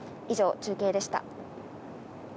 以上、中継でした。